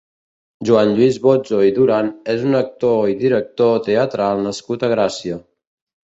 Joan Lluís Bozzo i Duran és un actor i director teatral nascut a Gràcia.